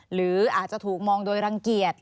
หรืออาจจะถูกมองโดยรังเกียจ